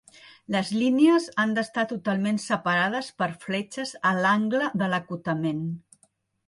Les línies han d'estar totalment separades per fletxes a l'angle de l'acotament.